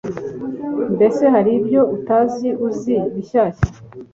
mbese hari ibyo utari uzi bishyashya